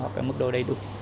hoặc cái mức độ đầy đủ